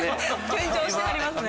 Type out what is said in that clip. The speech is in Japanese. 緊張してはりますね。